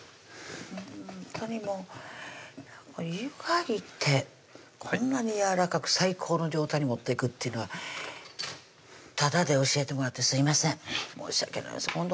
ほんとにもうゆがいてこんなにやわらかく最高の状態に持っていくっていうのはタダで教えてもらってすいません申し訳ないです今度